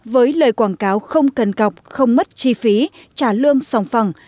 với lời quảng cáo không cần cọc không mất chi phí trả lương song phẳng